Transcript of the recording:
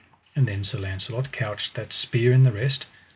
And then Sir Launcelot couched that spear in the rest.